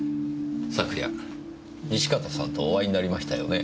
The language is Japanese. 昨夜西片さんとお会いになりましたよね？